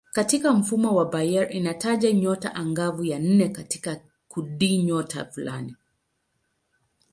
Katika mfumo wa Bayer inataja nyota angavu ya nne katika kundinyota fulani.